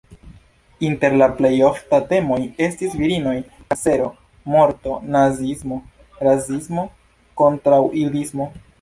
Inter la plej oftaj temoj estis virinoj, kancero, morto, naziismo, rasismo, kontraŭjudismo.